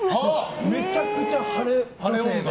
めちゃくちゃ晴れ女性で。